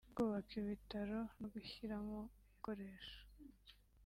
kubaka ibitaro no gushyiramo ibikoresho